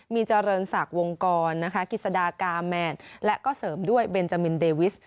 มีเจริญศักดิ์วงกรนะคะกิจสดากาแมนและก็เสริมด้วยเบนจามินเดวิส